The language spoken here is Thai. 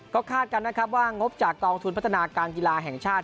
ก็คาดกันนะครับว่างบจากกองทุนพัฒนาการกีฬาแห่งชาติ